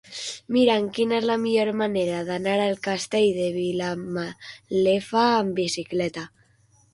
Mira'm quina és la millor manera d'anar al Castell de Vilamalefa amb bicicleta.